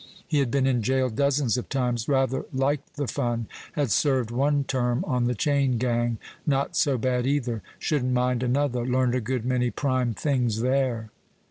He had been in jail dozens of times rather liked the fun; had served one term on the chain gang not so bad either shouldn't mind another learned a good many prime things there.